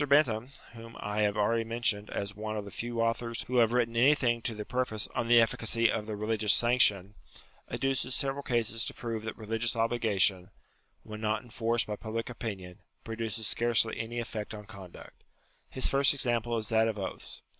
Bentham, whom I have already mentioned as one of the few authors who have written anything to the purpose on the efficacy of the religious sanction, UTILITY OF RELIGION 91 adduces several cases to prove that religious obligation, when not enforced by public opinion, produces scarcely any effect on conduct. His first example is that of oaths.